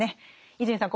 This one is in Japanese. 伊集院さん